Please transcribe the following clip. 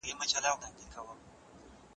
نارينه د طلاق ورکولو پر مهال زيات فکر کوي.